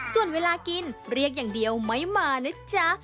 ส่วนเวลากินเรียกอย่างเดียวไม่มานะจ๊ะ